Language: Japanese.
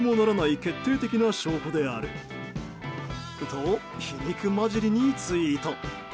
と、皮肉交じりにツイート。